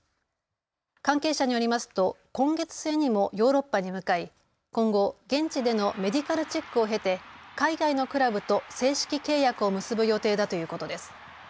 関係者によりますと今月末にもヨーロッパに向かい、今後現地でのメディカルチェックを経て海外のクラブと正式契約を結ぶ予定だということです。